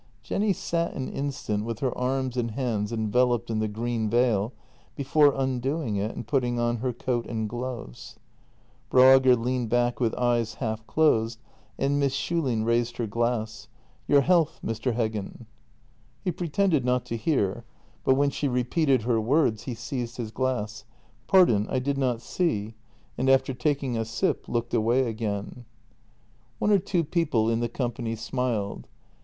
Jenny sat an instant with her arms and hands enveloped in the green veil before undoing it and putting on her coat and gloves. Broager leaned back with eyes half closed, and Miss Schulin raised her glass: "Your health, Mr. Heggen." He pretended not to hear, but when she repeated her words he seized his glass: "Pardon — I did not see" — and, after taking a sip, looked away again. JENNY 258 One or two people in the company smiled.